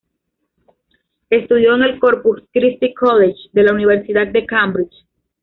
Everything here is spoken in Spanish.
Estudió en el Corpus Christi College de la Universidad de Cambridge.